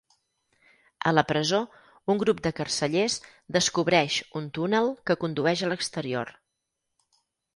A la presó, un grup de carcellers descobreix un túnel que condueix a l'exterior.